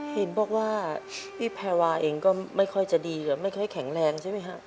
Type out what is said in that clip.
เห็นบอกว่าพี่แพรวาเองก็ไม่ค่อยจะดีไม่ค่อยแข็งแรงใช่ไหมฮะ